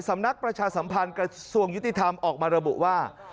สำนักประชาสัมพันธ์กระทรวงยุติธรรมออกมาระบุว่า